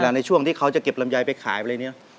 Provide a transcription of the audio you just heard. เวลาในช่วงที่เขาจะเก็บลำไยไปขายอะไรอย่างนี้